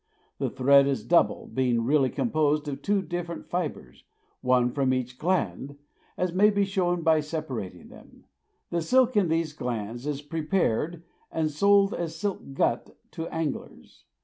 The thread is double, being really composed of two different fibres, one from each gland, as may be shown by separating them. The silk in these glands is prepared and sold as silk "gut" to anglers.